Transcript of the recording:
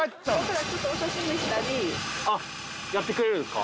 あっやってくれるんですか？